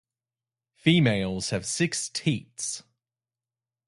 Females have six teats.